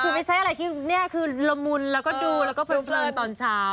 คือไม่ใช่อะไรที่นี่คือละมุนแล้วก็ดูแล้วก็เพลินตอนเช้า